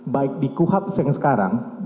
baik di kuhap yang sekarang